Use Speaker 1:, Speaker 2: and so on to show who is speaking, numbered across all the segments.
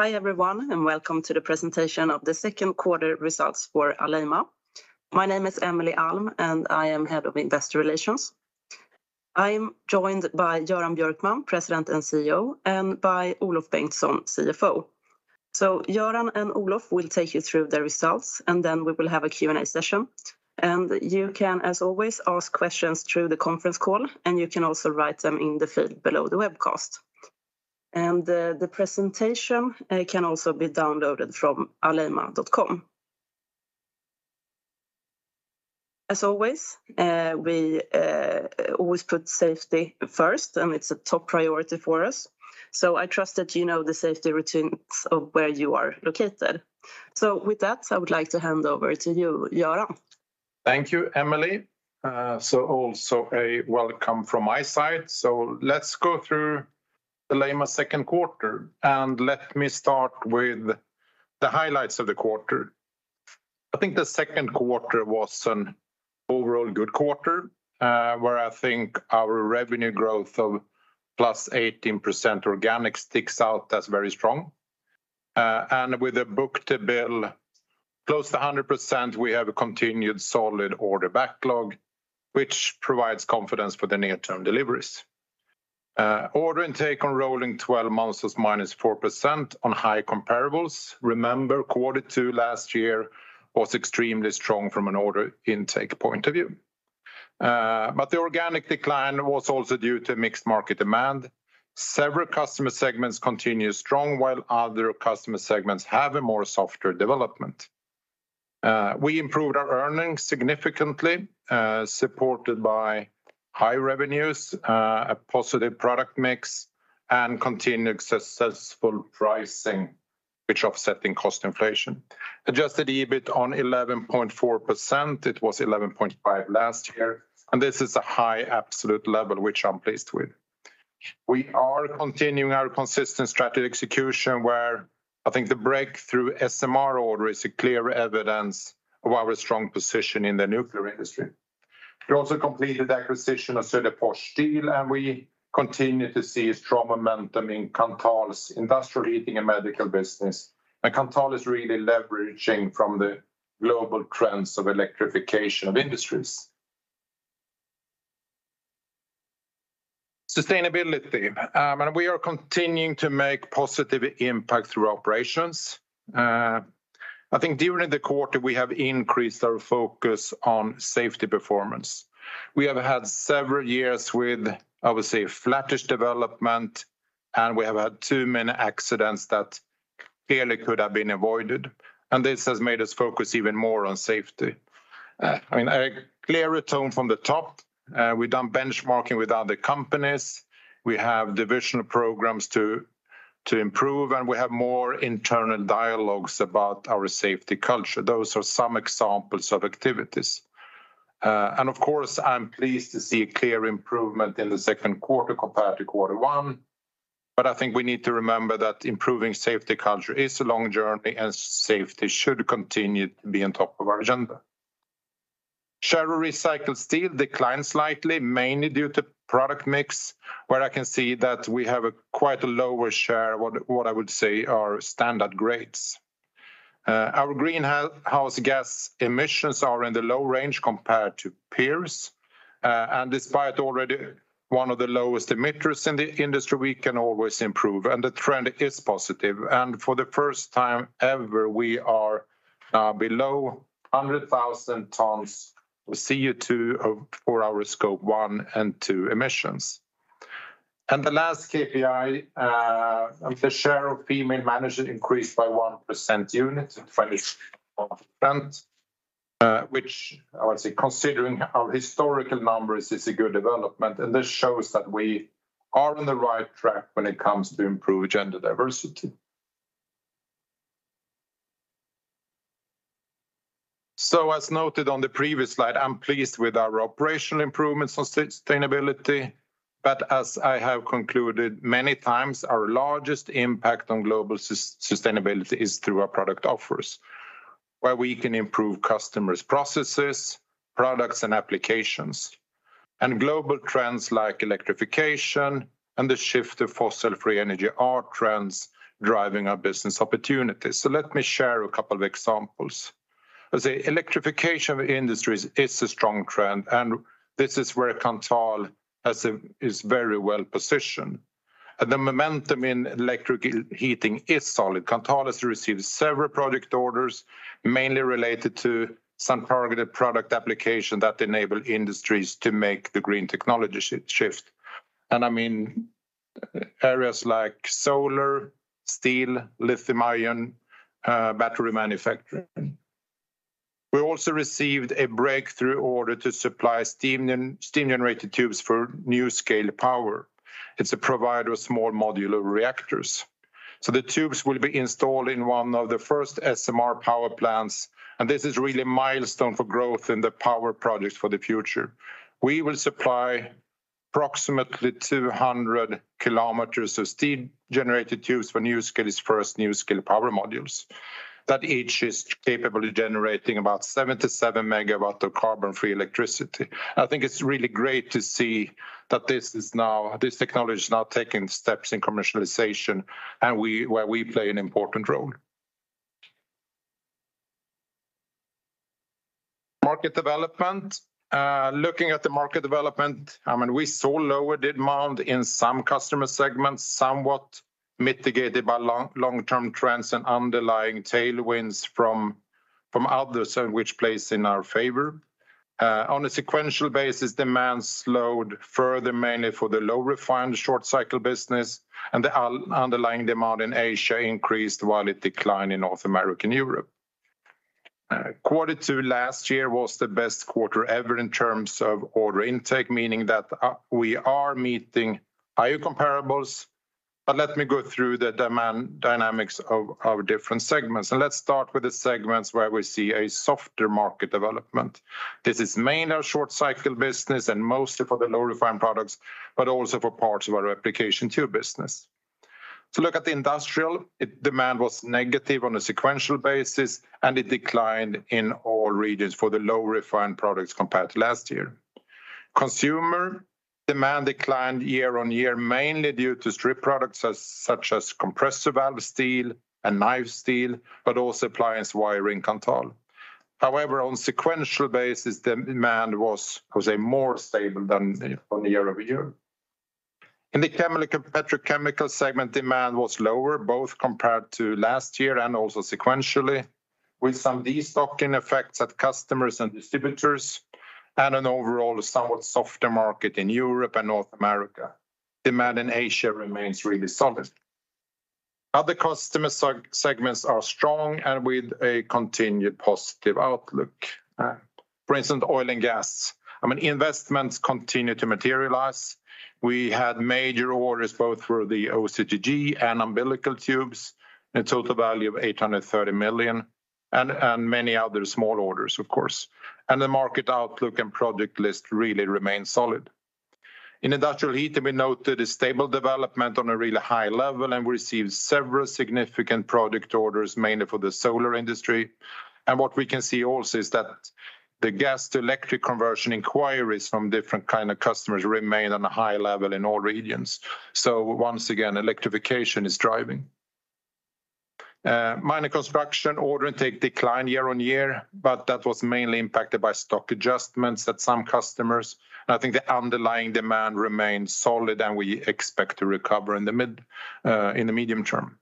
Speaker 1: Hi, everyone, welcome to the presentation of the second quarter results for Alleima. My name is Emelie Alm, and I am Head of Investor Relations. I am joined by Göran Björkman, President and CEO, and by Olof Bengtsson, CFO. Göran and Olof will take you through the results, and then we will have a Q&A session. You can, as always, ask questions through the conference call, and you can also write them in the field below the webcast. The presentation can also be downloaded from alleima.com. As always, we always put safety first, and it's a top priority for us, so I trust that you know the safety routines of where you are located. With that, I would like to hand over to you, Göran.
Speaker 2: Thank you, Emelie. Also a welcome from my side. Let's go through Alleima second quarter, and let me start with the highlights of the quarter. I think the second quarter was an overall good quarter, where I think our revenue growth of +18% organic sticks out as very strong. With a book-to-bill close to 100%, we have a continued solid order backlog, which provides confidence for the near-term deliveries. Order intake on rolling 12 months was -4% on high comparables. Remember, Q2 last year was extremely strong from an order intake point of view. The organic decline was also due to mixed market demand. Several customer segments continue strong, while other customer segments have a more softer development. We improved our earnings significantly, supported by high revenues, a positive product mix, and continued successful pricing, which offsetting cost inflation. Adjusted EBIT on 11.4%, it was 11.5% last year, this is a high, absolute level, which I'm pleased with. We are continuing our consistent strategic execution, where I think the breakthrough SMR order is a clear evidence of our strong position in the nuclear industry. We also completed the acquisition of Söderfors Steel, we continue to see strong momentum in Kanthal's industrial heating and medical business. Kanthal is really leveraging from the global trends of electrification of industries. Sustainability, we are continuing to make positive impact through operations. I think during the quarter, we have increased our focus on safety performance. We have had several years with, I would say, flattish development. We have had too many accidents that clearly could have been avoided. This has made us focus even more on safety. I mean, a clear return from the top. We've done benchmarking with other companies. We have divisional programs to improve. We have more internal dialogues about our safety culture. Those are some examples of activities. Of course, I'm pleased to see a clear improvement in the second quarter compared to quarter one. I think we need to remember that improving safety culture is a long journey. Safety should continue to be on top of our agenda. Share recycled steel declined slightly, mainly due to product mix, where I can see that we have a quite a lower share, what I would say are standard grades. Our greenhouse gas emissions are in the low range compared to peers. Despite already one of the lowest emitters in the industry, we can always improve, and the trend is positive. For the first time ever, we are below 100,000 tons of CO2 of for our Scope 1 and 2 emissions. The last KPI, the share of female managers increased by 1% unit, which I would say, considering our historical numbers, is a good development, and this shows that we are on the right track when it comes to improve gender diversity. As noted on the previous slide, I'm pleased with our operational improvements on sustainability, but as I have concluded many times, our largest impact on global sustainability is through our product offers, where we can improve customers' processes, products, and applications. Global trends like electrification and the shift to fossil-free energy are trends driving our business opportunities. Let me share a couple of examples. Electrification of industries is a strong trend, and this is where Kanthal is very well positioned. The momentum in electric heating is solid. Kanthal has received several product orders, mainly related to some targeted product application that enable industries to make the green technology shift, I mean, areas like solar, steel, lithium-ion, battery manufacturing. We also received a breakthrough order to supply steam-generated tubes for NuScale Power. It's a provider of small modular reactors. The tubes will be installed in one of the first SMR power plants. This is really a milestone for growth in the power projects for the future. We will supply approximately 200 kilometers of steam generator tubes for NuScale's first NuScale Power Modules. That each is capable of generating about 77 megawatt of carbon-free electricity. I think it's really great to see that this technology is now taking steps in commercialization, and we, where we play an important role. Market development. Looking at the market development, I mean, we saw lower demand in some customer segments, somewhat mitigated by long-term trends and underlying tailwinds from others, and which plays in our favor. On a sequential basis, demand slowed further, mainly for the low refined short cycle business, and the underlying demand in Asia increased, while it declined in North America and Europe. Quarter two last year was the best quarter ever in terms of order intake, meaning that, we are meeting higher comparables. Let me go through the demand dynamics of different segments, and let's start with the segments where we see a softer market development. This is mainly our short cycle business and mostly for the low refined products, but also for parts of our replication tool business. To look at the industrial, demand was negative on a sequential basis, and it declined in all regions for the low refined products compared to last year. Consumer demand declined year-over-year, mainly due to Strip products, such as compressor valve steel and knife steel, but also appliance wiring Kanthal. However, on sequential basis, the demand was, I would say, more stable than on the year-over-year. In the chemical, petrochemical segment, demand was lower, both compared to last year and also sequentially, with some destocking effects at customers and distributors and an overall somewhat softer market in Europe and North America. Demand in Asia remains really solid. Other customer segments are strong and with a continued positive outlook. For instance, oil and gas, I mean, investments continue to materialize. We had major orders, both for the OCTG and umbilical tubes, a total value of 830 million, and many other small orders, of course. The market outlook and product list really remains solid. In industrial heat, we noted a stable development on a really high level and received several significant product orders, mainly for the solar industry. What we can see also is that the gas to electric conversion inquiries from different kind of customers remain on a high level in all regions. Once again, electrification is driving. Minor construction order intake declined year-on-year, but that was mainly impacted by stock adjustments at some customers. I think the underlying demand remains solid, and we expect to recover in the medium term.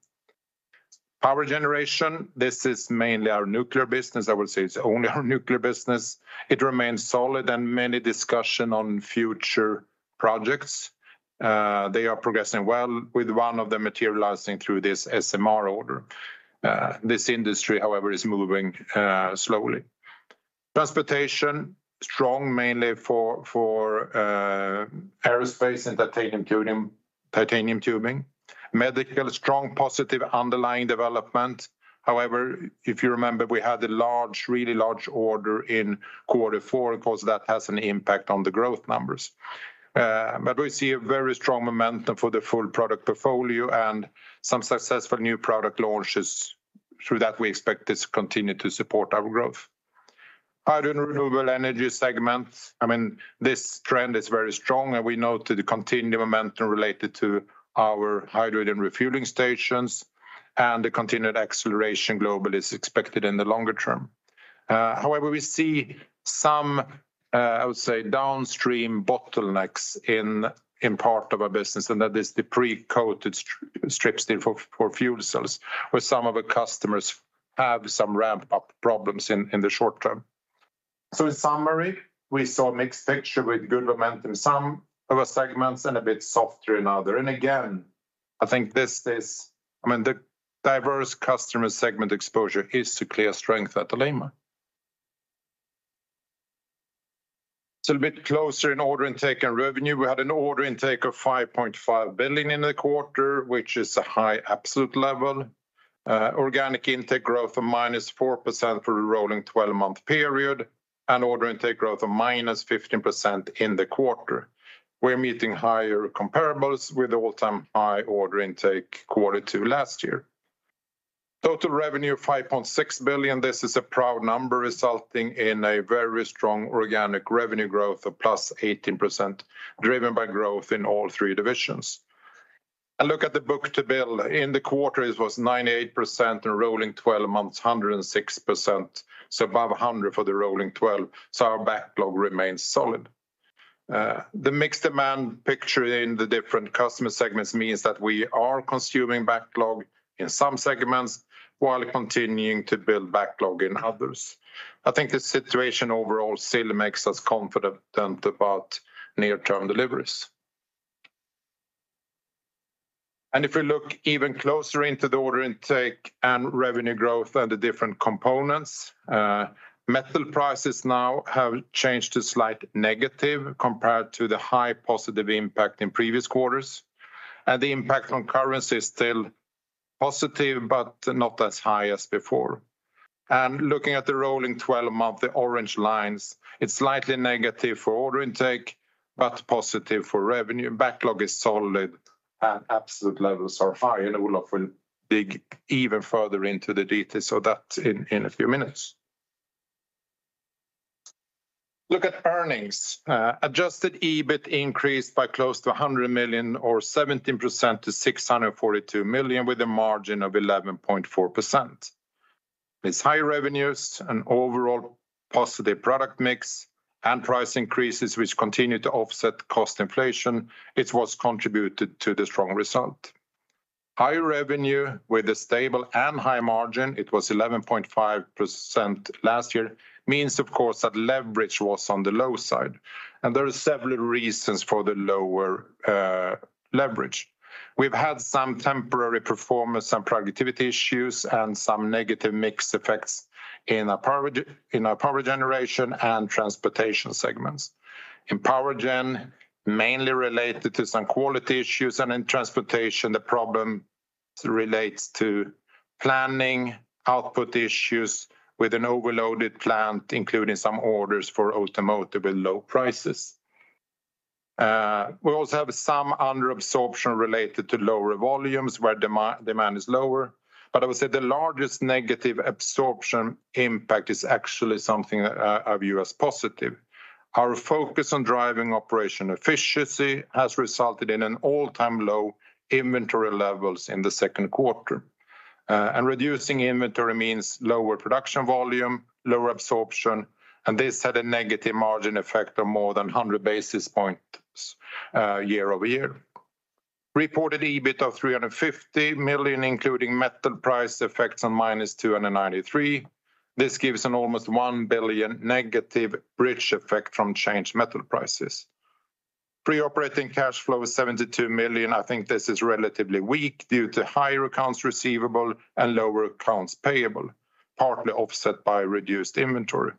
Speaker 2: Power Generation, this is mainly our nuclear business. I would say it's only our nuclear business. It remains solid and many discussion on future projects. They are progressing well, with one of them materializing through this SMR order. This industry, however, is moving slowly. Transportation, strong, mainly for aerospace and titanium tubing. Medical, strong, positive, underlying development. However, if you remember, we had a large, really large order in quarter four. We see a very strong momentum for the full product portfolio and some successful new product launches. Through that, we expect this to continue to support our growth. Our renewable energy segment, I mean, this trend is very strong, and we note the continued momentum related to our hydrogen refueling stations, and the continued acceleration globally is expected in the longer term. However, we see some, I would say, downstream bottlenecks in part of our business, and that is the pre-coated strip steel for fuel cells, where some of our customers have some ramp-up problems in the short term. In summary, we saw a mixed picture with good momentum in some of our segments and a bit softer in other. Again, I think this is... I mean, the diverse customer segment exposure is to clear strength at Alleima. A bit closer in order intake and revenue. We had an order intake of 5.5 billion in the quarter, which is a high absolute level. Organic intake growth of -4% for a rolling 12-month period, and order intake growth of -15% in the quarter. We're meeting higher comparables with all-time high order intake Q2 last year. Total revenue, 5.6 billion. This is a proud number, resulting in a very strong organic revenue growth of +18%, driven by growth in all 3 divisions. Look at the book-to-bill. In the quarter, it was 98%, in rolling 12 months, 106%, so above 100 for the rolling 12, so our backlog remains solid. The mixed demand picture in the different customer segments means that we are consuming backlog in some segments while continuing to build backlog in others. I think the situation overall still makes us confident about near-term deliveries. If you look even closer into the order intake and revenue growth and the different components, metal prices now have changed to slight negative compared to the high positive impact in previous quarters, and the impact on currency is still positive, but not as high as before. Looking at the rolling 12-month, the orange lines, it's slightly negative for order intake, but positive for revenue. Backlog is solid, absolute levels are high. Olof will dig even further into the details of that in a few minutes. Look at earnings. Adjusted EBIT increased by close to 100 million, or 17% to 642 million, with a margin of 11.4%. With high revenues and overall positive product mix and price increases, which continued to offset cost inflation, it was contributed to the strong result. High revenue with a stable and high margin, it was 11.5% last year, means, of course, that leverage was on the low side. There are several reasons for the lower leverage. We've had some temporary performance and productivity issues and some negative mix effects in our Power Generation and transportation segments. In Power Gen, mainly related to some quality issues. In transportation, the problem relates to planning, output issues with an overloaded plant, including some orders for automotive with low prices. We also have some under absorption related to lower volumes, where demand is lower. I would say the largest negative absorption impact is actually something I view as positive. Our focus on driving operational efficiency has resulted in an all-time low inventory levels in the second quarter. Reducing inventory means lower production volume, lower absorption, and this had a negative margin effect of more than 100 basis points year-over-year. Reported EBIT of 350 million, including metal price effects on minus 293. This gives an almost 1 billion negative bridge effect from changed metal prices. Pre-operating cash flow is 72 million. I think this is relatively weak due to higher accounts receivable and lower accounts payable, partly offset by reduced inventory.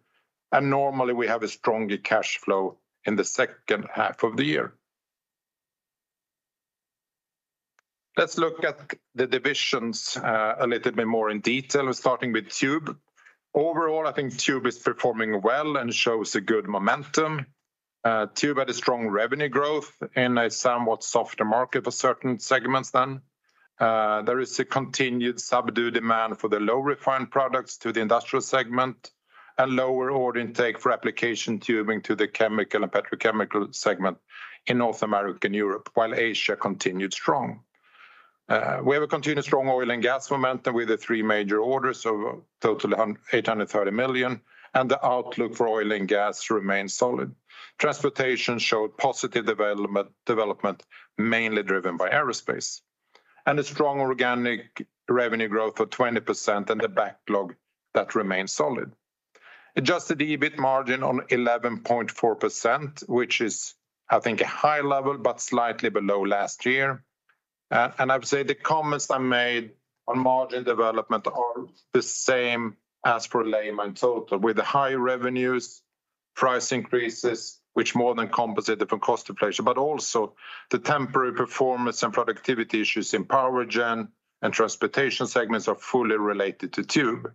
Speaker 2: Normally, we have a stronger cash flow in the second half of the year. Let's look at the divisions a little bit more in detail, starting with Tube. Overall, I think Tube is performing well and shows a good momentum. Tube had a strong revenue growth in a somewhat softer market for certain segments then. There is a continued subdued demand for the low-refined products to the industrial segment and lower order intake for application tubing to the chemical and petrochemical segment in North America and Europe, while Asia continued strong. We have a continued strong oil and gas momentum with the three major orders of totally 830 million, and the outlook for oil and gas remains solid. Transportation showed positive development, mainly driven by aerospace, and a strong organic revenue growth of 20% and a backlog that remains solid. Adjusted EBIT margin on 11.4%, which is, I think, a high level, but slightly below last year. I would say the comments I made on margin development are the same as for Alleima Total, with the high revenues, price increases, which more than compensated for cost inflation, but also the temporary performance and productivity issues in Power Gen and transportation segments are fully related to Tube.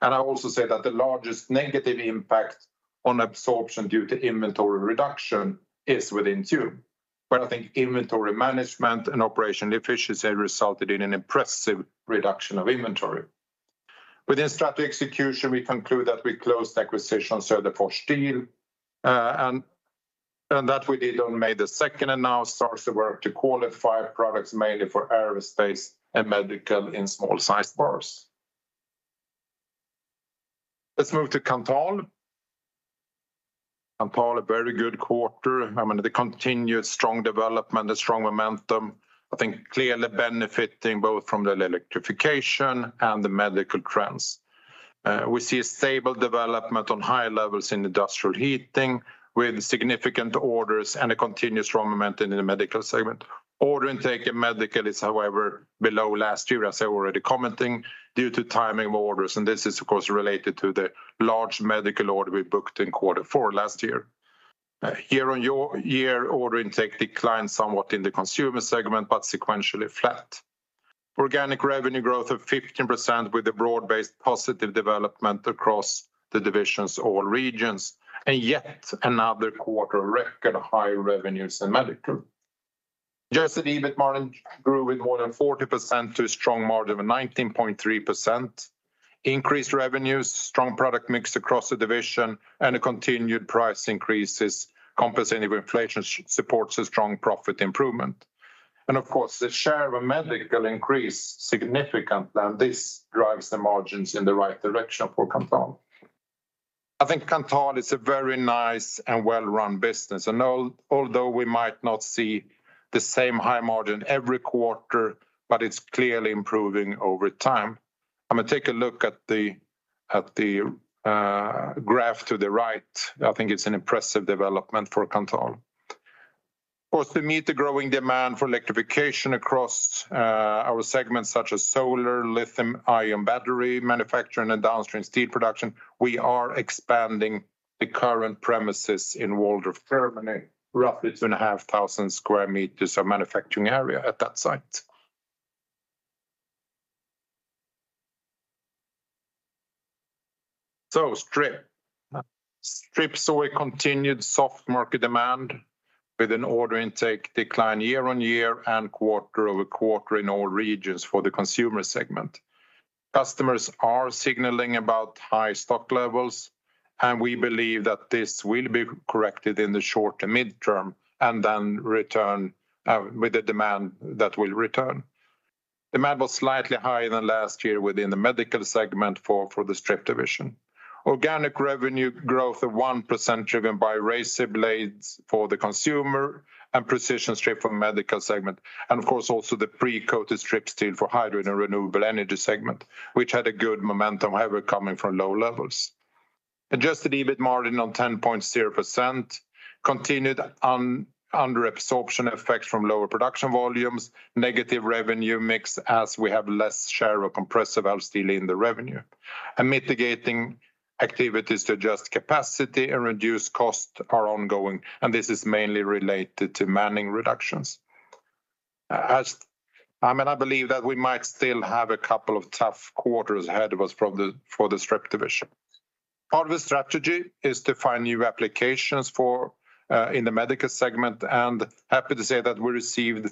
Speaker 2: I also say that the largest negative impact on absorption due to inventory reduction is within Tube. I think inventory management and operational efficiency resulted in an impressive reduction of inventory. Within strategy execution, we conclude that we closed the acquisition, Söderfors Steel, and that we did on May 2nd, now starts to work to qualify products mainly for aerospace and medical in small-sized bars. Let's move to Kanthal. Kanthal, a very good quarter. I mean, the continued strong development, a strong momentum, I think, clearly benefiting both from the electrification and the medical trends. We see a stable development on high levels in industrial heating, with significant orders and a continuous strong momentum in the medical segment. Order intake in medical is, however, below last year, as I already commenting, due to timing of orders, and this is, of course, related to the large medical order we booked in Q4 last year. Year-on-year order intake declined somewhat in the consumer segment, but sequentially flat. Organic revenue growth of 15% with a broad-based positive development across the divisions or regions, and yet another quarter record high revenues in medical. Adjusted EBIT margin grew with more than 40% to a strong margin of 19.3%. Increased revenues, strong product mix across the division, and a continued price increases compensating of inflation supports a strong profit improvement. Of course, the share of a medical increase significantly, and this drives the margins in the right direction for Kanthal. I think Kanthal is a very nice and well-run business, and although we might not see the same high margin every quarter, but it's clearly improving over time. I'm gonna take a look at the graph to the right. I think it's an impressive development for Kanthal. Of course, to meet the growing demand for electrification across our segments, such as solar, lithium, ion battery manufacturing, and downstream steel production, we are expanding the current premises in Walldorf, Germany, roughly 2,500 square meters of manufacturing area at that site. Strip. We continued soft market demand with an order intake decline year-over-year and quarter-over-quarter in all regions for the consumer segment. Customers are signaling about high stock levels, and we believe that this will be corrected in the short to midterm, and then return with the demand that will return. Demand was slightly higher than last year within the medical segment for the Strip division. Organic revenue growth of 1%, driven by razor blades for the consumer and precision strip for medical segment, and of course, also the pre-coated strip steel for hydrogen and renewable energy segment, which had a good momentum, however, coming from low levels. adjusted EBIT margin on 10.0%, continued under absorption effects from lower production volumes, negative revenue mix as we have less share of compressor valve steel in the revenue. Mitigating activities to adjust capacity and reduce costs are ongoing, and this is mainly related to manning reductions. I mean, I believe that we might still have a couple of tough quarters ahead of us from the, for the Strip division. Part of the strategy is to find new applications for in the medical segment, Happy to say that we received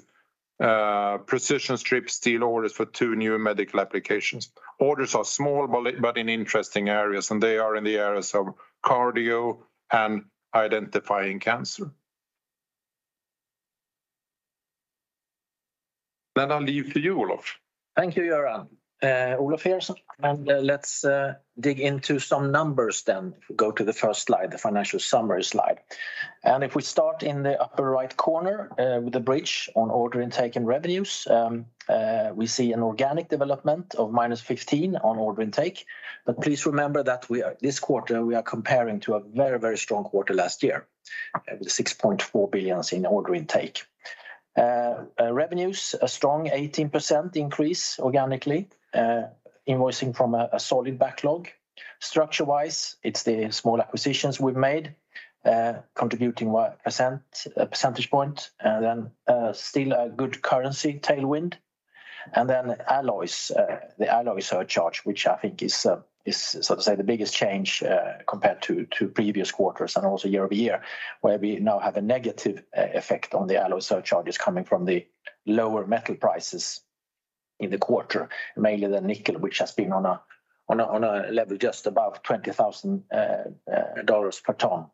Speaker 2: precision strip steel orders for two new medical applications. Orders are small, but in interesting areas, and they are in the areas of cardio and identifying cancer. I'll leave to you, Olof.
Speaker 3: Thank you, Göran. Olof here. Let's dig into some numbers. Go to the first slide, the financial summary slide. If we start in the upper right corner, with the bridge on order intake and revenues, we see an organic development of -15% on order intake. Please remember that this quarter, we are comparing to a very, very strong quarter last year, 6.4 billion in order intake. Revenues, a strong 18% increase organically, invoicing from a solid backlog. Structure-wise, it's the small acquisitions we've made, contributing 1 percentage point, still a good currency tailwind. Alloys, the alloy surcharge, which I think is, so to say, the biggest change, compared to previous quarters and also year-over-year, where we now have a negative effect on the alloy surcharges coming from the lower metal prices in the quarter, mainly the nickel, which has been on a level just above $20,000 per ton,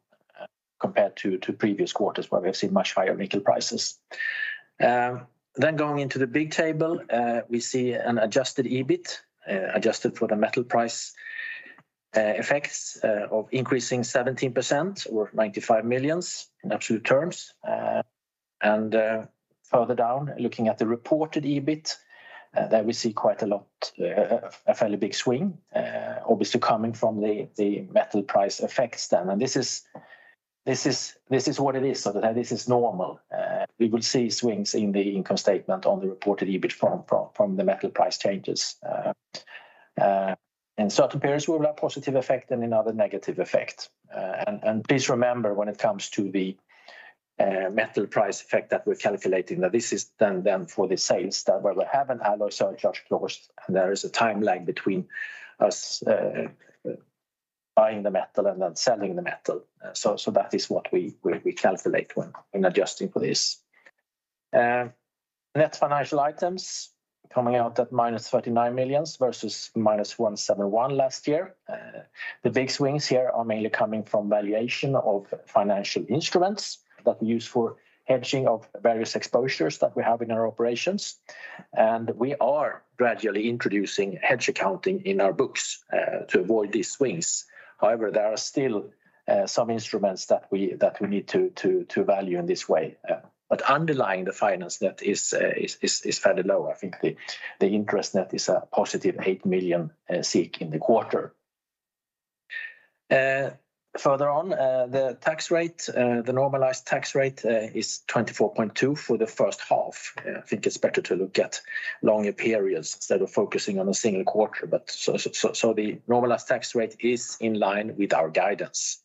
Speaker 3: compared to previous quarters where we have seen much higher nickel prices. Going into the big table, we see an adjusted EBIT, adjusted for the metal price effects, of increasing 17% or 95 million in absolute terms. Further down, looking at the reported EBIT, there we see quite a lot, a fairly big swing, obviously coming from the metal price effects then. This is what it is, this is normal. We will see swings in the income statement on the reported EBIT from the metal price changes. In certain periods, we will have positive effect and in other, negative effect. Please remember, when it comes to the metal price effect that we're calculating, that this is then for the sales where we have an alloy surcharge closed, there is a timeline between us buying the metal and then selling the metal. That is what we calculate when adjusting for this. Net financial items coming out at -39 million versus -171 million last year. The big swings here are mainly coming from valuation of financial instruments that we use for hedging of various exposures that we have in our operations. We are gradually introducing hedge accounting in our books to avoid these swings. There are still some instruments that we need to value in this way. Underlying the finance net is fairly low. The interest net is a positive 8 million in the quarter. The tax rate, the normalized tax rate, is 24.2 for the first half. It's better to look at longer periods instead of focusing on a single quarter, so the normalized tax rate is in line with our guidance.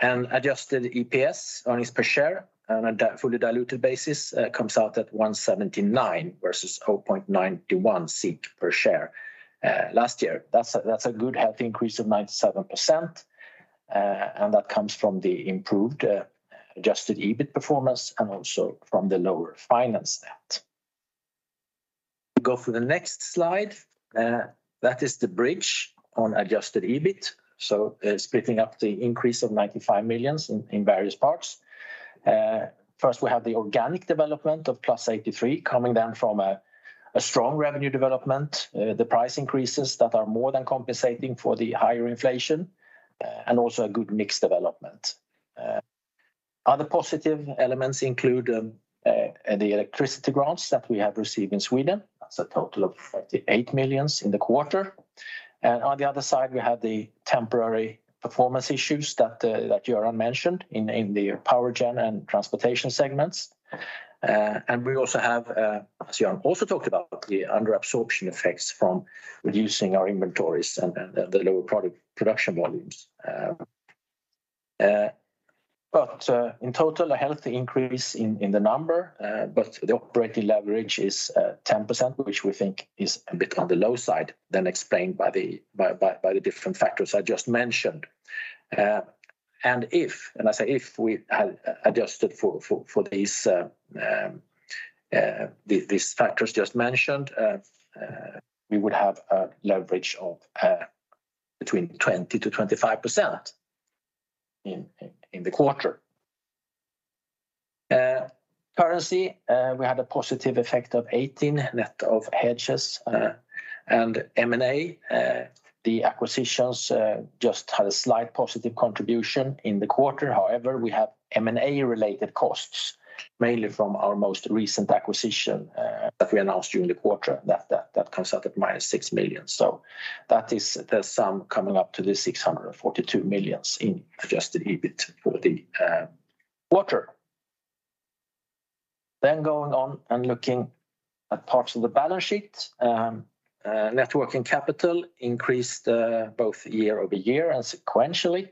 Speaker 3: Adjusted EPS, earnings per share, on a fully diluted basis, comes out at 1.79 versus 0.91 SEK per share, last year. That's a good healthy increase of 97%, and that comes from the improved adjusted EBIT performance and also from the lower finance net. We go to the next slide, that is the bridge on adjusted EBIT, so, splitting up the increase of 95 million SEK in various parts. First, we have the organic development of +83 SEK, coming down from a strong revenue development, the price increases that are more than compensating for the higher inflation, and also a good mix development. Other positive elements include the electricity grants that we have received in Sweden. That's a total of 48 million SEK in the quarter. On the other side, we have the temporary performance issues that Göran mentioned in the power gen and transportation segments. We also have, as Göran also talked about, the under absorption effects from reducing our inventories and the lower product production volumes. In total, a healthy increase in the number, but the operating leverage is 10%, which we think is a bit on the low side than explained by the different factors I just mentioned. If, and I say, if we had adjusted for these factors just mentioned, we would have a leverage of between 20%-25% in the quarter. Currency, we had a positive effect of 18 million net of hedges, and M&A, the acquisitions, just had a slight positive contribution in the quarter. However, we have M&A-related costs, mainly from our most recent acquisition, that we announced during the quarter, that comes out at minus 6 million. That is the sum coming up to the 642 million in adjusted EBIT for the quarter. Going on and looking at parts of the balance sheet. Net working capital increased both year-over-year and sequentially.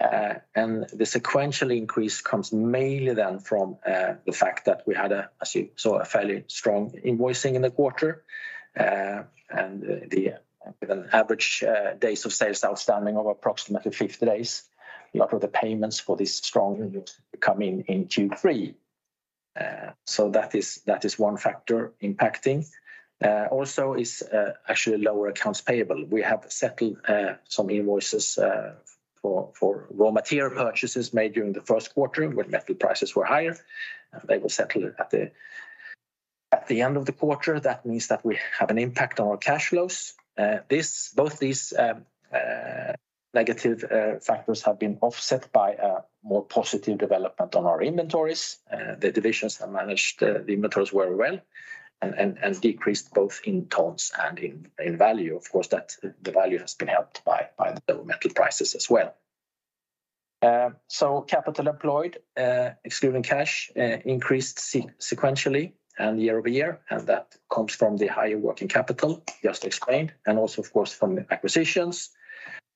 Speaker 3: The sequential increase comes mainly then from the fact that we had a, as you saw, a fairly strong invoicing in the quarter, and the, with an average, days of sales outstanding of approximately 50 days. A lot of the payments for this strong invoice come in Q3. That is one factor impacting. Also is, actually lower accounts payable. We have settled, some invoices, for raw material purchases made during the first quarter, when metal prices were higher, and they were settled at the end of the quarter. That means that we have an impact on our cash flows. This, both these, negative, factors have been offset by a more positive development on our inventories. The divisions have managed the inventories very well and decreased both in tons and in value. Of course, that the value has been helped by the lower metal prices as well. Capital employed, excluding cash, increased sequentially and year over year. That comes from the higher working capital, just explained, also of course, from the acquisitions,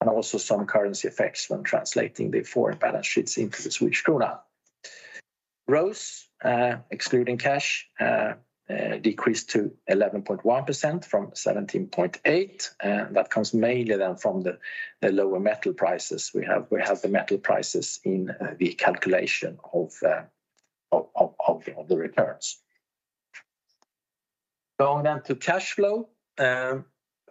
Speaker 3: also some currency effects when translating the foreign balance sheets into the Swedish krona. ROCE, excluding cash, decreased to 11.1% from 17.8%. That comes mainly then from the lower metal prices we have. We have the metal prices in the calculation of the returns. Going down to cash flow,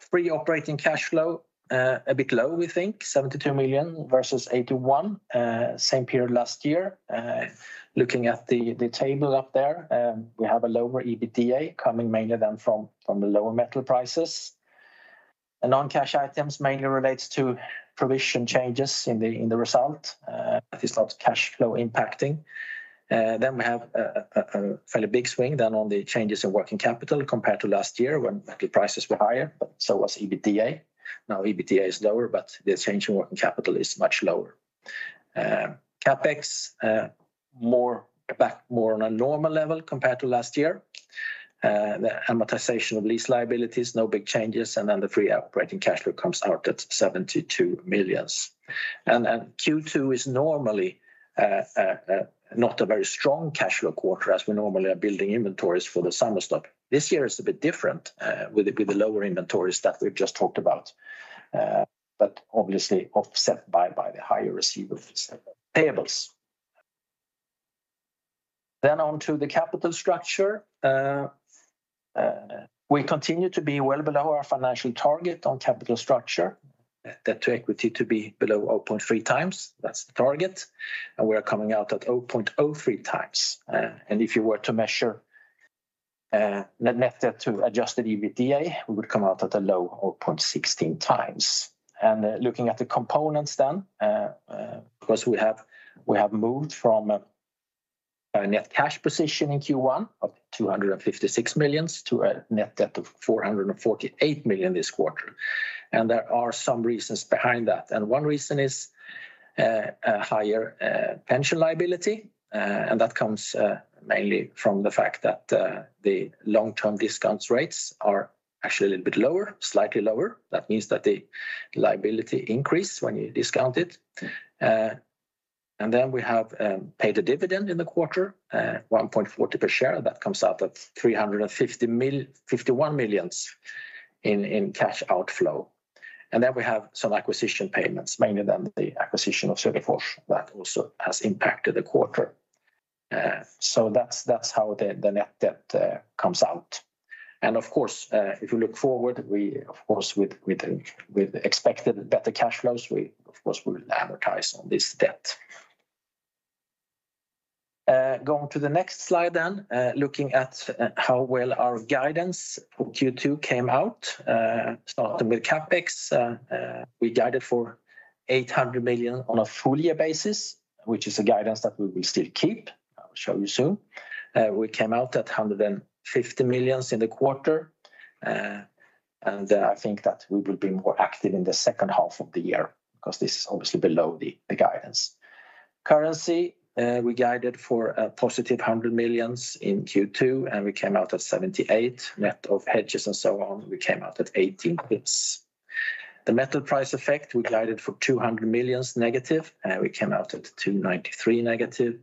Speaker 3: free operating cash flow, a bit low, we think, 72 million versus 81 million, same period last year. Looking at the table up there, we have a lower EBITDA coming mainly than from the lower metal prices. A non-cash items mainly relates to provision changes in the result, that is not cash flow impacting. We have a fairly big swing than on the changes in working capital compared to last year when the prices were higher, but so was EBITDA. EBITDA is lower, but the change in working capital is much lower. CapEx, more on a normal level compared to last year. The amortization of lease liabilities, no big changes, and then the free operating cash flow comes out at 72 million. Q2 is normally, not a very strong cash flow quarter, as we normally are building inventories for the summer stop. This year is a bit different, with the lower inventories that we've just talked about, but obviously offset by the higher receivable payables. On to the capital structure. We continue to be well below our financial target on capital structure, debt to equity to be below 0.3 times. That's the target, and we are coming out at 0.03 times. And if you were to measure net debt to adjusted EBITDA, we would come out at a low of 0.16 times. Looking at the components then, of course, we have moved from a net cash position in Q1 of 256 million to a net debt of 448 million this quarter. There are some reasons behind that. One reason is a higher pension liability, and that comes mainly from the fact that the long-term discount rates are actually a little bit lower, slightly lower. That means that the liability increase when you discount it. We have paid a dividend in the quarter, 1.40 per share. That comes out at 351 million in cash outflow. We have some acquisition payments, mainly than the acquisition of Söderfors, that also has impacted the quarter. That's how the net debt comes out. If you look forward, we of course, with expected better cash flows, we of course, will advertise on this debt. Going to the next slide then, looking at how well our guidance for Q2 came out, starting with CapEx. We guided for 800 million on a full year basis, which is a guidance that we will still keep. I will show you soon. We came out at 150 million in the quarter. I think that we will be more active in the second half of the year, because this is obviously below the guidance. Currency, we guided for a positive 100 million in Q2. We came out at 78, net of hedges and so on. We came out at 18 basis points. The metal price effect, we guided for 200 million negative. We came out at 293 negative.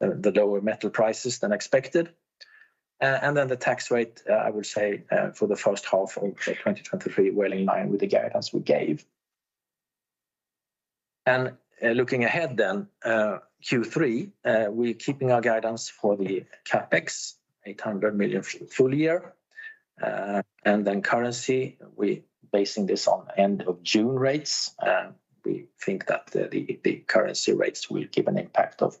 Speaker 3: The lower metal prices than expected. The tax rate, I would say, for the first half of 2023, well, in line with the guidance we gave. Looking ahead, Q3, we're keeping our guidance for the CapEx, 800 million full year. Currency, we basing this on end of June rates, and we think that the currency rates will give a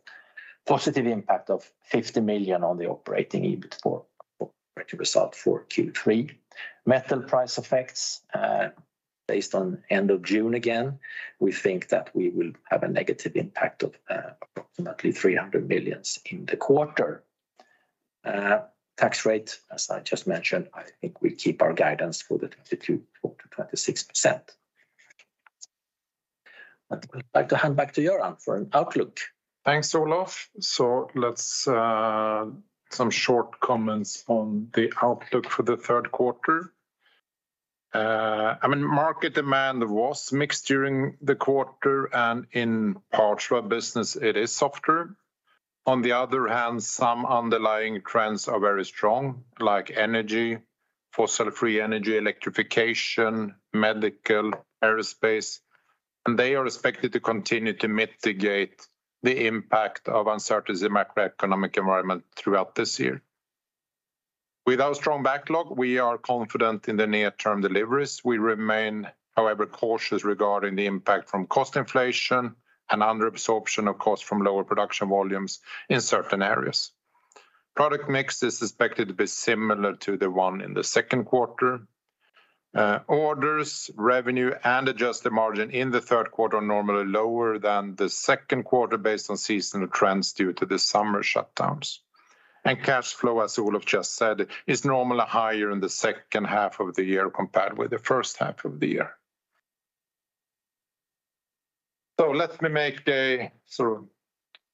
Speaker 3: positive impact of 50 million on the operating EBIT for result for Q3. Metal price effects, based on end of June, again, we think that we will have a negative impact of approximately 300 million in the quarter. Tax rate, as I just mentioned, I think we keep our guidance for the 22.26%. I'd like to hand back to Göran for an outlook.
Speaker 2: Thanks, Olof. Let's some short comments on the outlook for the third quarter. I mean, market demand was mixed during the quarter, and in parts of our business, it is softer. On the other hand, some underlying trends are very strong, like energy, fossil-free energy, electrification, medical, aerospace, and they are expected to continue to mitigate the impact of uncertainty macroeconomic environment throughout this year. With our strong backlog, we are confident in the near-term deliveries. We remain, however, cautious regarding the impact from cost inflation and under absorption, of course, from lower production volumes in certain areas. Product mix is expected to be similar to the one in the second quarter. Orders, revenue, and adjusted margin in the third quarter are normally lower than the second quarter, based on seasonal trends due to the summer shutdowns. Cash flow, as Olof just said, is normally higher in the second half of the year compared with the first half of the year. Let me make a sort of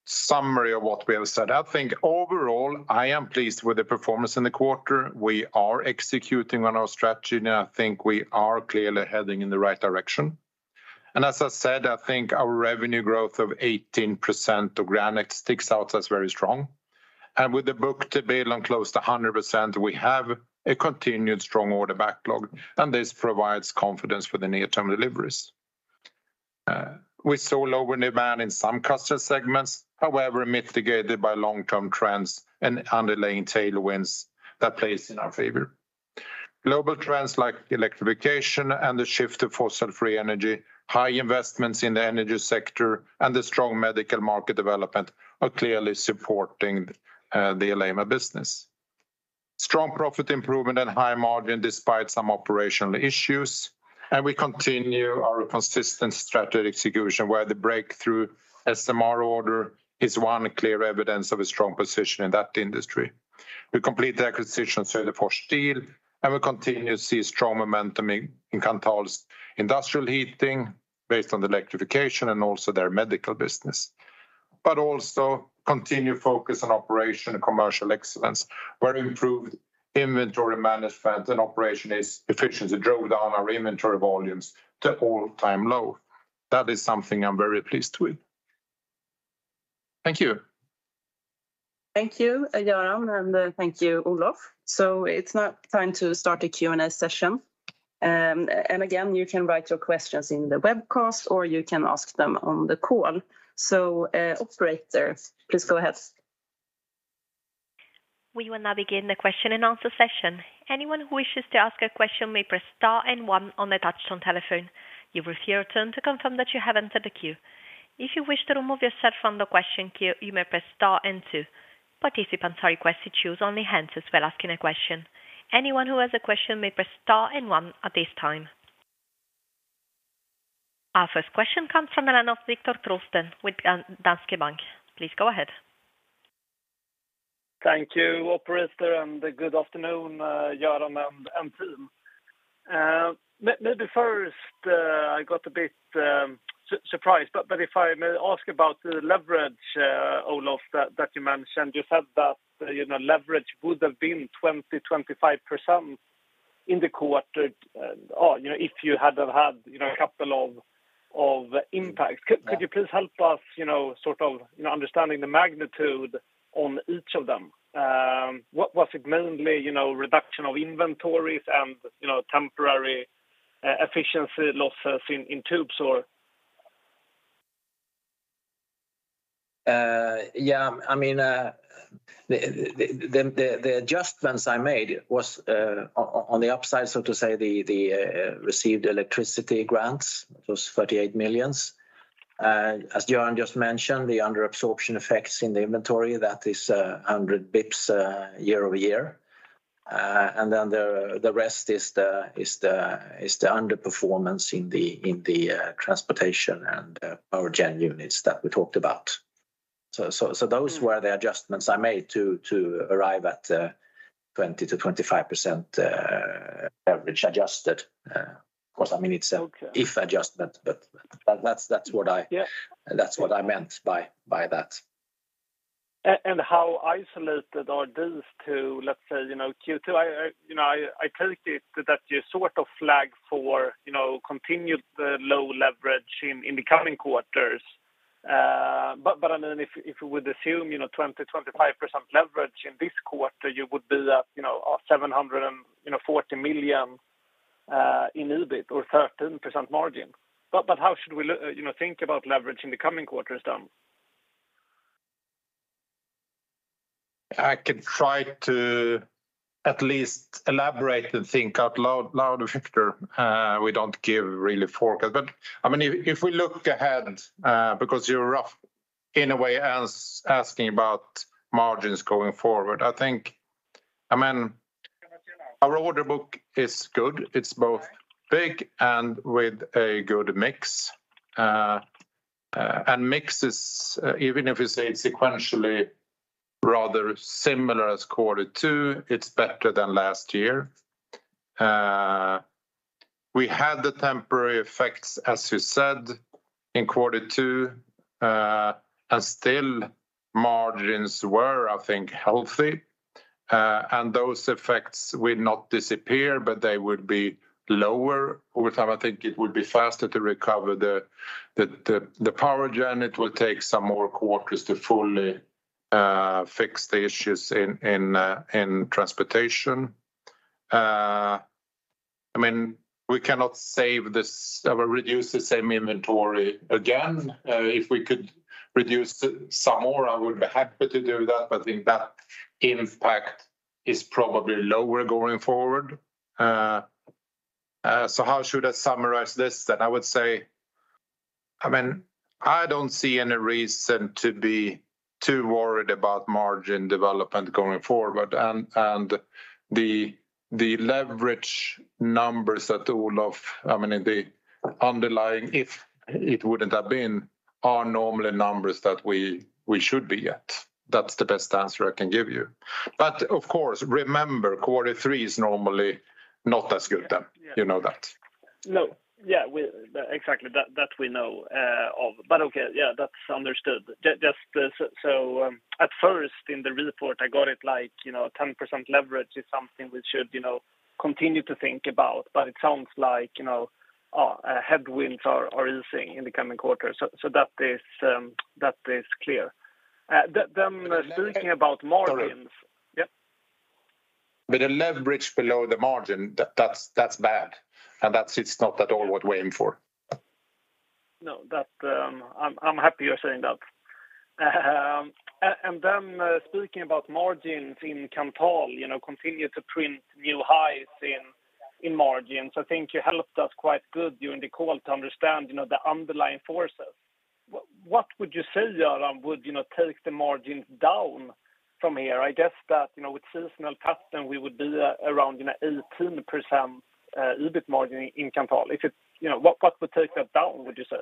Speaker 2: summary of what we have said. I think overall, I am pleased with the performance in the quarter. We are executing on our strategy, and I think we are clearly heading in the right direction. As I said, I think our revenue growth of 18% of organic sticks out as very strong. With the book-to-bill on close to 100%, we have a continued strong order backlog, and this provides confidence for the near-term deliveries. We saw lower demand in some customer segments, however, mitigated by long-term trends and underlying tailwinds that plays in our favor. Global trends like electrification and the shift to fossil-free energy, high investments in the energy sector, and the strong medical market development are clearly supporting the Alleima business. Strong profit improvement and high margin, despite some operational issues, and we continue our consistent strategy execution, where the breakthrough SMR order is one clear evidence of a strong position in that industry. We complete the acquisition Söderfors Steel, and we continue to see strong momentum in Kanthal's industrial heating, based on the electrification and also their medical business. Also continue focus on operation and commercial excellence, where improved inventory management and operation is efficiency, drove down our inventory volumes to all-time low. That is something I'm very pleased with. Thank you.
Speaker 1: Thank you, Göran, and thank you, Olof. It's now time to start a Q&A session. Again, you can write your questions in the webcast, or you can ask them on the call. Operator, please go ahead.
Speaker 4: We will now begin the question and answer session. Anyone who wishes to ask a question may press star one on their touchtone telephone. You will hear a tone to confirm that you have entered the queue. If you wish to remove yourself from the question queue, you may press star two. Participants are requested to use only hands while asking a question. Anyone who has a question may press star one at this time. Our first question comes from the line of Viktor Trollsten with Danske Bank. Please go ahead.
Speaker 5: Thank you, operator, and good afternoon, Göran and team. Maybe first, I got a bit surprised, but if I may ask about the leverage, Olof, that you mentioned, you said that, you know, leverage would have been 20-25% in the quarter, or, you know, if you had have had, you know, a couple of impacts.
Speaker 3: Yeah.
Speaker 5: Could you please help us, you know, sort of, you know, understanding the magnitude on each of them? What was it mainly, you know, reduction of inventories and, you know, temporary efficiency losses in tubes or?
Speaker 3: Yeah, I mean, the adjustments I made was on the upside, so to say, the received electricity grants, those 38 million. As Göran just mentioned, the under absorption effects in the inventory, that is 100 basis points year-over-year. Then the rest is the underperformance in the transportation and power gen units that we talked about. ... Those were the adjustments I made to arrive at 20%-25% average adjusted. Of course, I mean,
Speaker 5: Okay
Speaker 3: if adjustment, but that's what.
Speaker 5: Yeah.
Speaker 2: That's what I meant by that.
Speaker 5: How isolated are these two, let's say, you know, Q2? I, you know, I take it that you sort of flagged for, you know, continued low leverage in the coming quarters. I mean, if we would assume, you know, 20%-25% leverage in this quarter, you would be at, you know, 740 million in EBIT or 13% margin. How should we look, you know, think about leverage in the coming quarters then?
Speaker 2: I can try to at least elaborate and think out loud, Viktor, we don't give really forecast. I mean, if we look ahead, because you're rough in a way, asking about margins going forward, I think, I mean, our order book is good. It's both big and with a good mix. Mix is, even if it's sequentially rather similar as quarter two, it's better than last year. We had the temporary effects, as you said, in quarter two, and still margins were, I think, healthy. Those effects will not disappear, but they would be lower over time. I think it would be faster to recover the Power Generation, it will take some more quarters to fully fix the issues in transportation. I mean, we cannot save this or reduce the same inventory again. If we could reduce it some more, I would be happy to do that, I think that impact is probably lower going forward. How should I summarize this then? I would say, I mean, I don't see any reason to be too worried about margin development going forward. The leverage numbers that Olof, I mean, in the underlying, if it wouldn't have been, are normally numbers that we should be at. That's the best answer I can give you. Of course, remember, quarter three is normally not as good then.
Speaker 5: Yeah.
Speaker 2: You know that.
Speaker 5: No. Yeah, we, exactly, that we know of. Okay, yeah, that's understood. Just, so, at first, in the report, I got it like, you know, 10% leverage is something we should, you know, continue to think about, but it sounds like, you know, headwinds are easing in the coming quarters. That is clear. Then speaking about margins-
Speaker 2: Sorry.
Speaker 5: Yeah?
Speaker 2: A leverage below the margin, that's bad, and that's not at all what we aim for.
Speaker 5: No, that, I'm happy you're saying that. Then, speaking about margins in Kanthal, you know, continue to print new highs in margins. I think you helped us quite good during the call to understand, you know, the underlying forces. What would you say, Göran, would, you know, take the margins down from here? I guess that, you know, with seasonal custom, we would be, around, you know, 18% EBIT margin in Kanthal. If it, you know, what would take that down, would you say?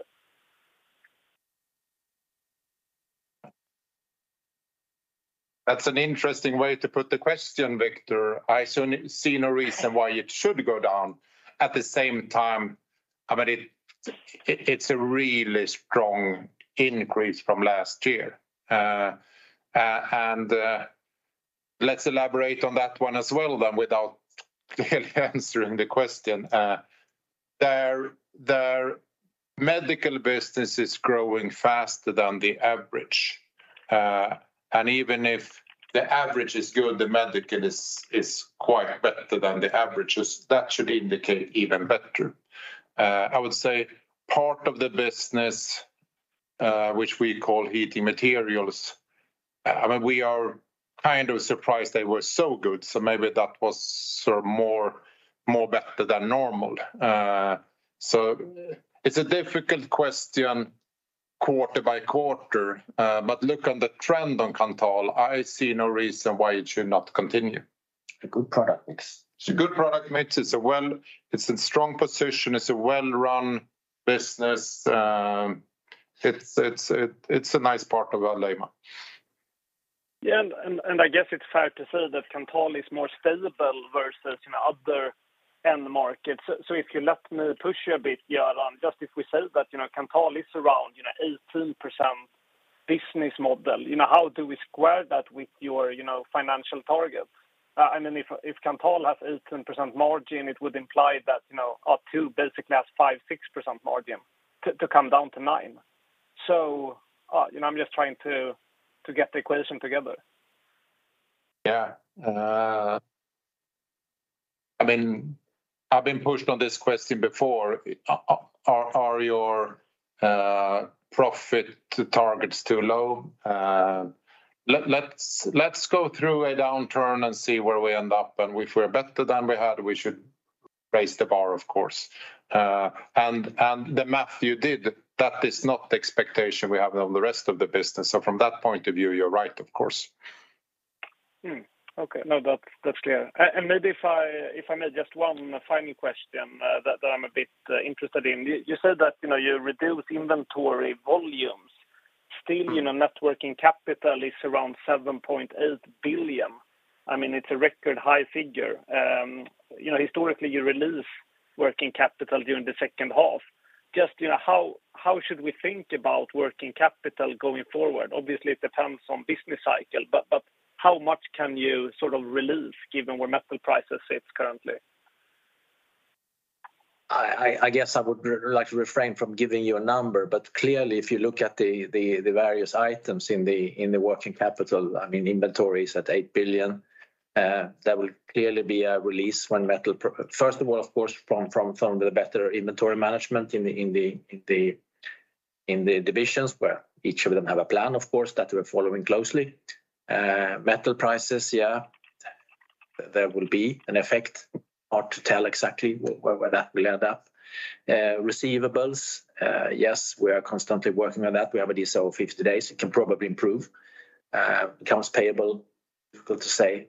Speaker 2: interesting way to put the question, Viktor. I see no reason why it should go down. At the same time, I mean, it's a really strong increase from last year. Let's elaborate on that one as well then, without really answering the question. Their medical business is growing faster than the average. Even if the average is good, the medical is quite better than the averages. That should indicate even better. I would say part of the business, which we call heating materials, I mean, we are kind of surprised they were so good, so maybe that was more better than normal. It's a difficult question, quarter by quarter, but look on the trend on Kanthal, I see no reason why it should not continue.
Speaker 5: A good product mix.
Speaker 2: It's a good product mix. It's in strong position. It's a well-run business. It's a nice part of our Alleima.
Speaker 5: Yeah, I guess it's fair to say that Kanthal is more stable versus, you know, other end markets. If you let me push you a bit, Göran, just if we say that, you know, Kanthal is around, you know, 18% business model, you know, how do we square that with your, you know, financial targets? I mean, if Kanthal has 18% margin, it would imply that, you know, our 2 basically has 5%-6% margin to come down to 9. You know, I'm just trying to get the equation together.
Speaker 2: I mean, I've been pushed on this question before. Are your profit targets too low? Let's go through a downturn and see where we end up, and if we're better than we had, we should raise the bar, of course. The math you did, that is not the expectation we have on the rest of the business. From that point of view, you're right, of course....
Speaker 5: Okay. No, that's clear. Maybe if I, if I may, just one final question that I'm a bit interested in. You said that, you know, you reduced inventory volumes. Still, you know, networking capital is around 7.8 billion. I mean, it's a record high figure. You know, historically, you release working capital during the second half. Just, you know, how should we think about working capital going forward? Obviously, it depends on business cycle, but how much can you sort of release, given where metal prices sit currently?
Speaker 3: I guess I would like to refrain from giving you a number. Clearly, if you look at the various items in the working capital, I mean, inventory is at 8 billion. That will clearly be a release when metal First of all, of course, from the better inventory management in the divisions, where each of them have a plan, of course, that we're following closely. Metal prices, yeah, there will be an effect. Hard to tell exactly where that will end up. Receivables, yes, we are constantly working on that. We have a DSO of 50 days, it can probably improve. Accounts payable, difficult to say.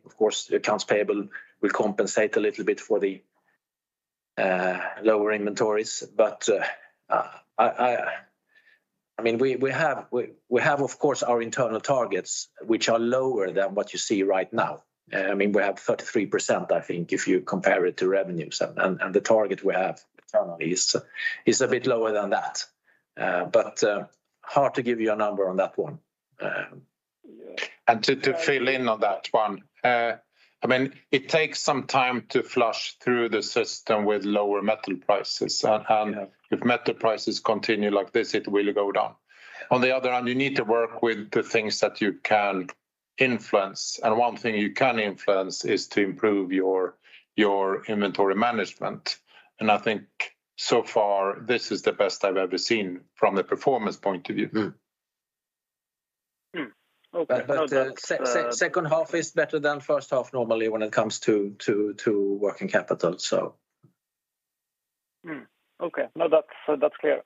Speaker 3: The accounts payable will compensate a little bit for the lower inventories, but I... I mean, we have, of course, our internal targets, which are lower than what you see right now. I mean, we have 33%, I think, if you compare it to revenues, and the target we have internally is a bit lower than that. Hard to give you a number on that one.
Speaker 2: To fill in on that one, I mean, it takes some time to flush through the system with lower metal prices.
Speaker 5: Yeah...
Speaker 2: if metal prices continue like this, it will go down. On the other hand, you need to work with the things that you can influence, and one thing you can influence is to improve your inventory management. I think so far, this is the best I've ever seen from a performance point of view.
Speaker 5: Mm-hmm.Okay.
Speaker 3: Second half is better than first half normally when it comes to working capital, so.
Speaker 5: Okay. No, that's clear.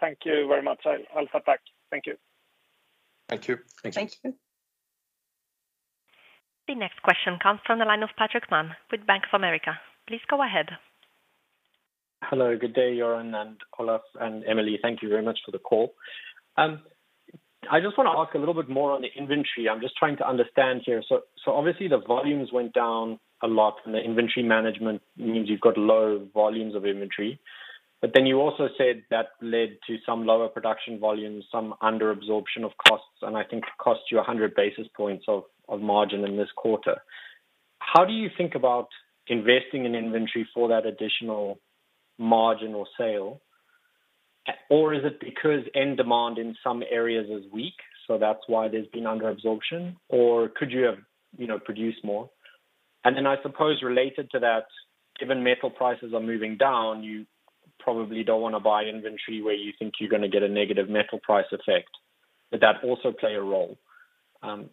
Speaker 5: Thank you very much. I'll step back. Thank you.
Speaker 2: Thank you.
Speaker 3: Thank you.
Speaker 4: Thank you. The next question comes from the line of Patrick Mann with Bank of America. Please go ahead.
Speaker 6: Hello, good day, Göran and Olof and Emelie, thank you very much for the call. I just want to ask a little bit more on the inventory. I'm just trying to understand here. Obviously, the volumes went down a lot, and the inventory management means you've got low volumes of inventory. You also said that led to some lower production volumes, some underabsorption of costs, and I think it cost you 100 basis points of margin in this quarter. How do you think about investing in inventory for that additional margin or sale? Is it because end demand in some areas is weak, so that's why there's been underabsorption? Could you have, you know, produced more? Then, I suppose, related to that, given metal prices are moving down, you probably don't want to buy inventory where you think you're going to get a negative metal price effect. Did that also play a role? The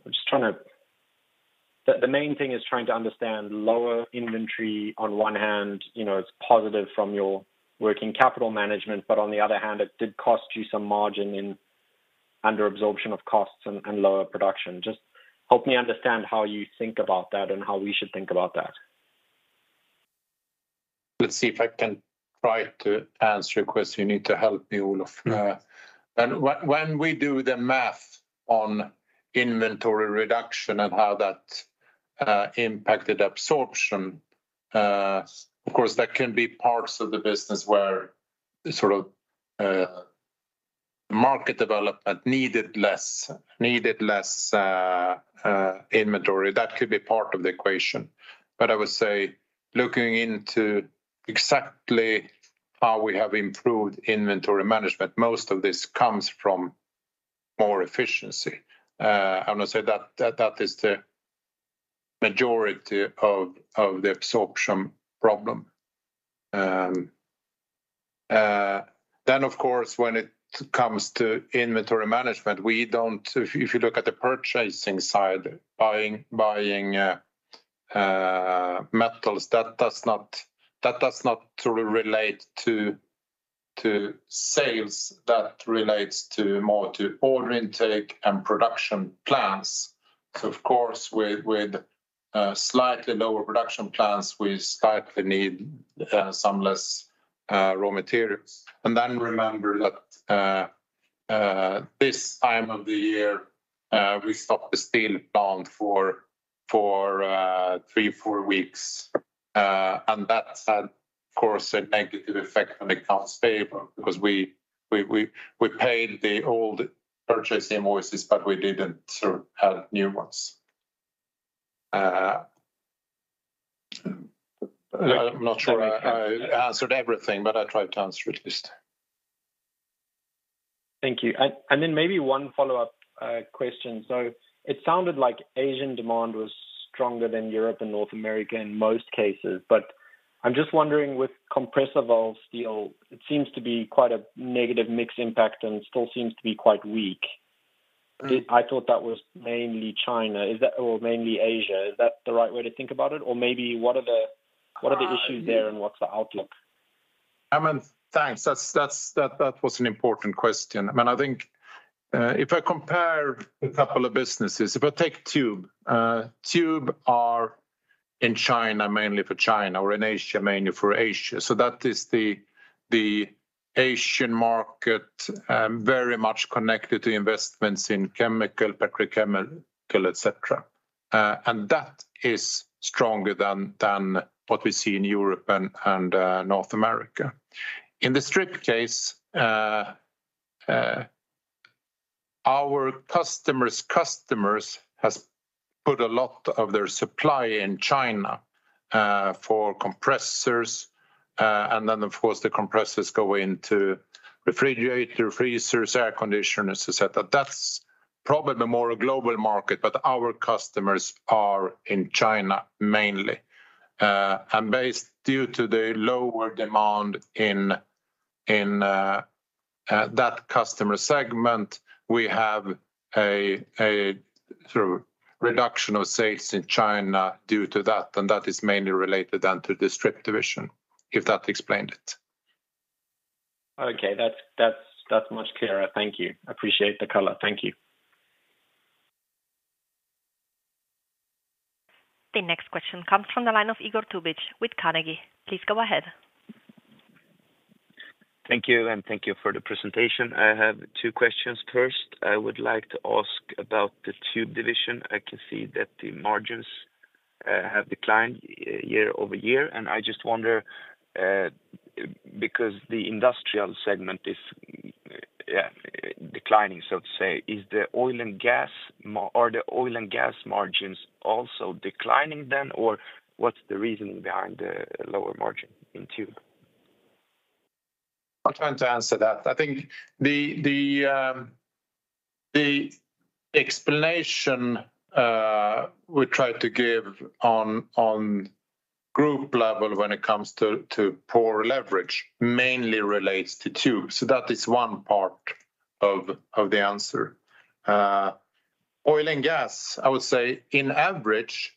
Speaker 6: main thing is trying to understand lower inventory on one hand, you know, is positive from your working capital management, but on the other hand, it did cost you some margin in underabsorption of costs and lower production. Just help me understand how you think about that and how we should think about that.
Speaker 2: Let's see if I can try to answer your question. You need to help me, Olof. When we do the math on inventory reduction and how that impacted absorption, of course, that can be parts of the business where sort of, market development needed less, needed less inventory. That could be part of the equation. I would say, looking into exactly how we have improved inventory management, most of this comes from more efficiency. I'm gonna say that is the majority of the absorption problem. Of course, when it comes to inventory management, we don't. If you look at the purchasing side, buying metals, that does not really relate to sales. That relates to more to order intake and production plans. Of course, with slightly lower production plans, we slightly need some less raw materials. Remember that this time of the year, we stopped the steel plant for 3, 4 weeks. That had, of course, a negative effect on the accounts payable, because we paid the old purchase invoices, but we didn't sort of have new ones. I'm not sure I answered everything, but I tried to answer at least.
Speaker 6: Thank you. Then maybe one follow-up question. It sounded like Asian demand was stronger than Europe and North America in most cases, but I'm just wondering, with compressor valve steel, it seems to be quite a negative mix impact and still seems to be quite weak.
Speaker 2: Mm.
Speaker 6: I thought that was mainly China. Is that... or mainly Asia? Is that the right way to think about it? Maybe what are the issues there, and what's the outlook?
Speaker 2: I mean, thanks. That's that was an important question. I mean, I think, if I compare a couple of businesses, if I take Tube are in China, mainly for China, or in Asia, mainly for Asia. That is the Asian market, very much connected to investments in chemical, petrochemical, et cetera. That is stronger than what we see in Europe and North America. In the Strip case, our customers' customers has put a lot of their supply in China, for compressors. Of course, the compressors go into refrigerator, freezers, air conditioners, et cetera. That's probably more a global market, but our customers are in China mainly. Due to the lower demand in that customer segment, we have a sort of reduction of sales in China due to that, and that is mainly related then to the Strip division, if that explained it.
Speaker 6: Okay. That's much clearer. Thank you. I appreciate the color. Thank you.
Speaker 4: The next question comes from the line of Igor Tubic with Carnegie. Please go ahead.
Speaker 7: Thank you, and thank you for the presentation. I have two questions. First, I would like to ask about the Tube division. I can see that the margins have declined year-over-year, and I just wonder because the industrial segment is declining, so to say, are the oil and gas margins also declining then, or what's the reason behind the lower margin in Tube?
Speaker 2: I'll try to answer that. I think the explanation we try to give on group level when it comes to poor leverage, mainly relates to Tube. That is one part of the answer. Oil and gas, I would say in average,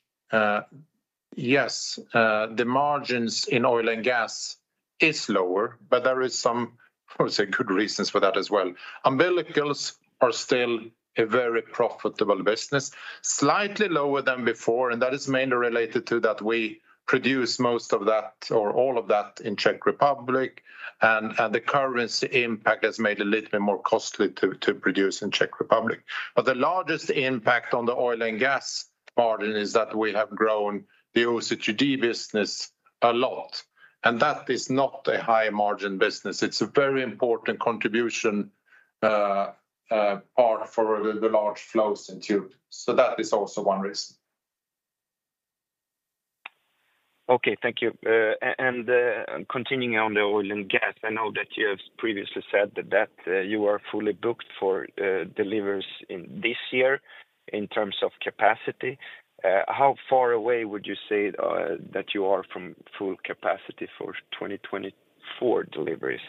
Speaker 2: yes, the margins in oil and gas is lower, but there is some, I would say, good reasons for that as well. Umbilicals are still a very profitable business, slightly lower than before, and that is mainly related to that we produce most of that or all of that in Czech Republic, and the currency impact has made a little bit more costly to produce in Czech Republic. The largest impact on the oil and gas margin is that we have grown the OCTG business a lot, and that is not a high-margin business. It's a very important contribution, part for the large flows in Tube. That is also one reason.
Speaker 7: Okay, thank you. Continuing on the oil and gas, I know that you have previously said that, you are fully booked for deliveries in this year in terms of capacity. How far away would you say, that you are from full capacity for 2024 deliveries?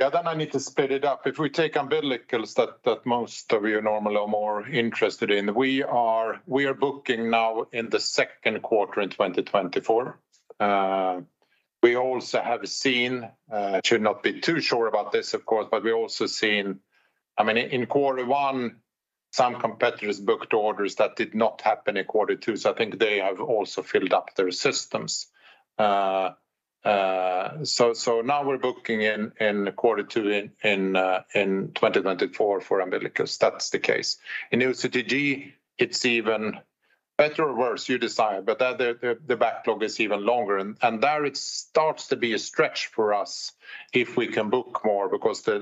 Speaker 2: I need to split it up. If we take umbilicals that most of you normally are more interested in, we are booking now in the second quarter in 2024. We also have seen. Should not be too sure about this, of course, but we also seen. I mean, in quarter one, some competitors booked orders that did not happen in quarter two, so I think they have also filled up their systems. Now we're booking in quarter two in 2024 for umbilicals. That's the case. In OCTG, it's even better or worse, you decide, but the backlog is even longer. There it starts to be a stretch for us if we can book more because the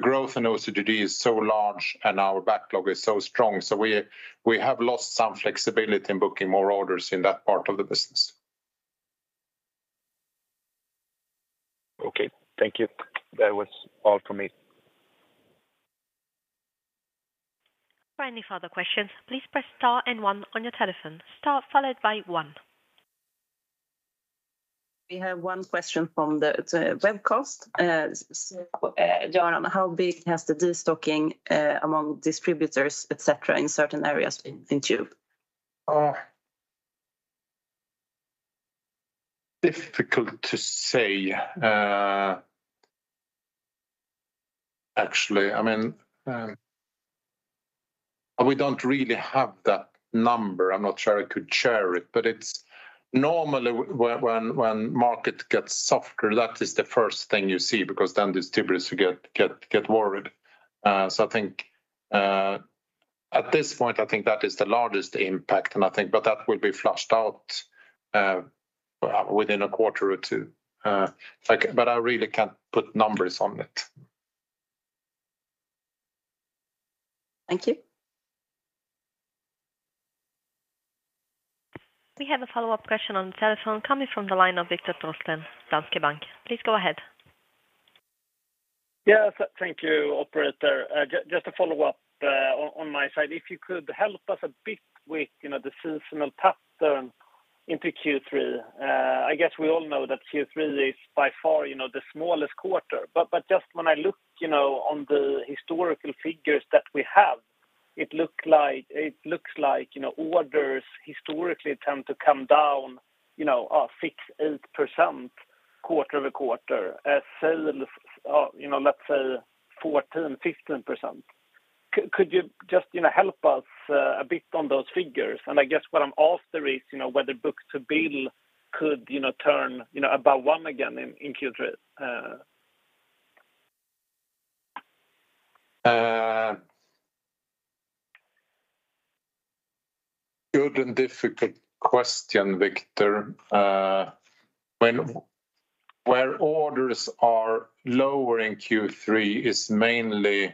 Speaker 2: growth in OCTG is so large and our backlog is so strong. We have lost some flexibility in booking more orders in that part of the business.
Speaker 7: Okay, thank you. That was all for me.
Speaker 4: For any further questions, please press Star and one on your telephone. Star followed by one.
Speaker 1: We have one question from the webcast. Göran, how big has the destocking among distributors, et cetera, in certain areas in Tube?
Speaker 2: Difficult to say, actually. I mean, we don't really have that number. I'm not sure I could share it, but it's normally when market gets softer, that is the first thing you see, because then distributors get worried. I think, at this point, I think that is the largest impact, and that will be flushed out within a quarter or two, like, but I really can't put numbers on it.
Speaker 1: Thank you.
Speaker 4: We have a follow-up question on the telephone coming from the line of Viktor Trollsten, Danske Bank. Please go ahead.
Speaker 5: Yes, thank you, operator. Just to follow up on my side, if you could help us a bit with, you know, the seasonal pattern into Q3. I guess we all know that Q3 is by far, you know, the smallest quarter, but just when I look, you know, on the historical figures that we have... it looks like, you know, orders historically tend to come down, you know, 6%-8% quarter-over-quarter. As sales, you know, let's say 14%-15%. Could you just, you know, help us a bit on those figures? I guess what I'm asking is, you know, whether book-to-bill could, you know, turn, you know, about 1 again in Q3?
Speaker 2: Good and difficult question, Viktor. where orders are lower in Q3 is mainly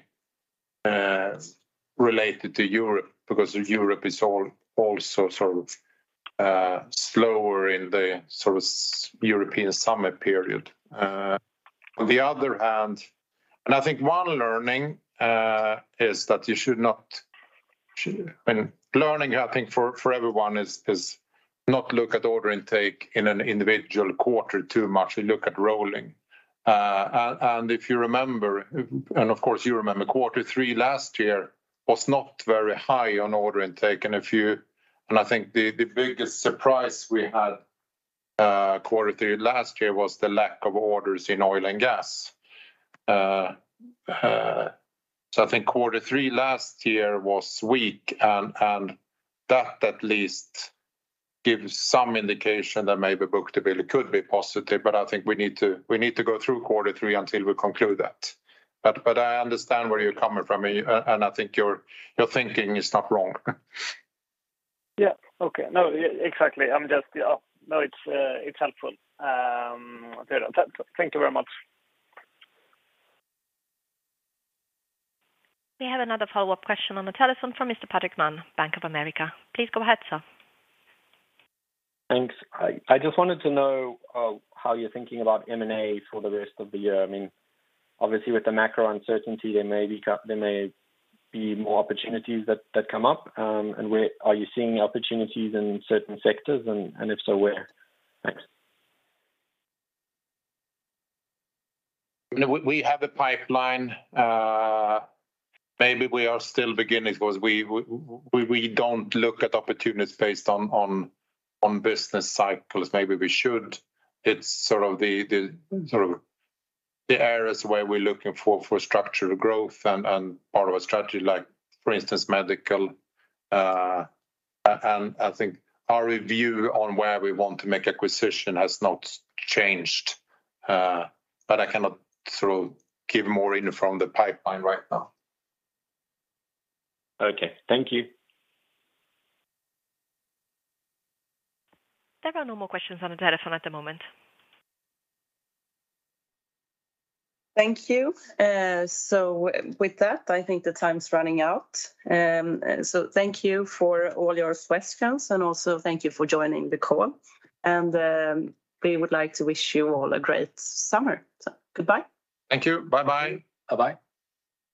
Speaker 2: related to Europe, because Europe is also sort of slower in the sort of European summer period. On the other hand, and I think one learning is that you should not. I mean, learning, I think for everyone is not look at order intake in an individual quarter too much, you look at rolling. If you remember, and of course, you remember, quarter three last year was not very high on order intake. I think the biggest surprise we had quarter three last year was the lack of orders in oil and gas. I think quarter three last year was weak, and that at least gives some indication that maybe book-to-bill could be positive. I think we need to go through quarter three until we conclude that. I understand where you're coming from, and I think your thinking is not wrong.
Speaker 5: Yeah. Okay. No, yeah, exactly. No, it's helpful. Thank you very much.
Speaker 4: We have another follow-up question on the telephone from Mr. Patrick Mann, Bank of America. Please go ahead, sir.
Speaker 6: Thanks. I just wanted to know how you're thinking about M&A for the rest of the year. I mean, obviously, with the macro uncertainty, there may be more opportunities that come up, and where? Are you seeing opportunities in certain sectors, and if so, where? Thanks.
Speaker 2: You know, we have a pipeline. Maybe we are still beginning because we don't look at opportunities based on business cycles. Maybe we should. It's the sort of the areas where we're looking for structural growth and part of our strategy, like, for instance, medical. I think our review on where we want to make acquisition has not changed, but I cannot sort of give more info from the pipeline right now.
Speaker 6: Okay. Thank you.
Speaker 4: There are no more questions on the telephone at the moment.
Speaker 1: Thank you. With that, I think the time's running out. Thank you for all your questions, and also thank you for joining the call. We would like to wish you all a great summer. Goodbye.
Speaker 2: Thank you. Bye bye.
Speaker 7: Thank you. Bye bye.